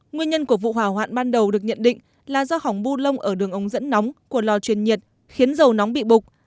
nguyên nhân của vụ hỏa hoạn ban đầu được nhận định là do hỏng bu lông ở đường ống dẫn nóng của lò truyền nhiệt khiến dầu nóng bị bục